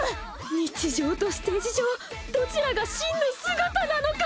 日常とステージ上どちらが真の姿なのか！